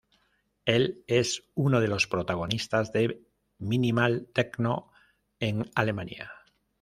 Él es uno de los protagonistas de minimal techno en Alemania.